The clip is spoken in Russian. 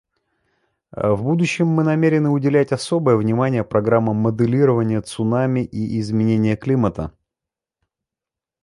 В будущем мы намерены уделять особое внимание программам моделирования цунами и изменения климата.